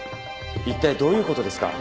一体どういう事ですか？